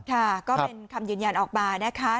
ค่ะก็เป็นคำยืนยันออกมานะคะ